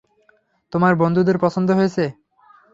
তোমার বন্ধুদের পছন্দ হয়েছে।